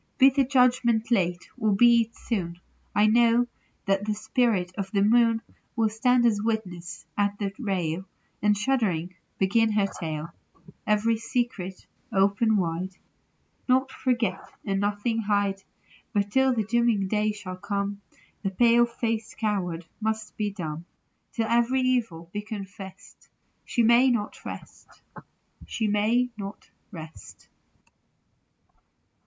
Be the Judgment late or be it soon, 1 know that the Spirit of the Moon Will stand as a witness at the rail, And, shuddering, begin her tale ; Every secret open wide ; 6 82 THE LOVER AND THE MOON. Naught forget and nothing hide ; But till that Dooming Day shall come The pale faced coward must be dumb Till every evil be confessed She may not rest, she may not rest.